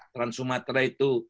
trans sumatera itu